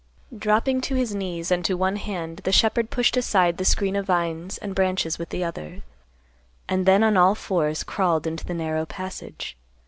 Dropping to his knees and to one hand the shepherd pushed aside the screen of vines and branches with the other, and then on all fours crawled into the narrow passage.